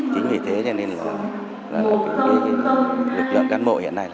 chính vì thế nên lực lượng cán bộ hiện nay